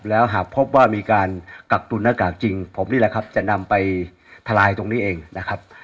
แล้วหากพบว่ามีการกักตุนหน้ากากจริงผมนี่แหละครับจะนำไปทลายตรงนี้เองนะครับ